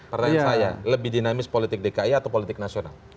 pertanyaan saya lebih dinamis politik dki atau politik nasional